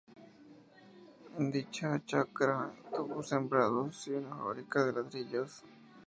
En dicha chacra tuvo sembrados y una fábrica de ladrillos.